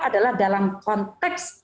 adalah dalam konteks